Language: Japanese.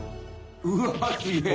うわっすげえ！